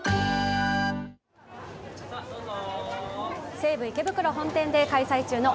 西武池袋本店で開催中の